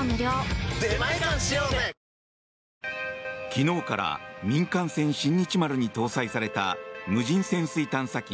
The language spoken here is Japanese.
昨日から民間船「新日丸」に搭載された無人潜水探査機